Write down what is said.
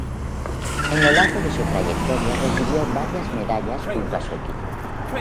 En lo largo de su trayectoria recibió varias medallas junto a su equipo.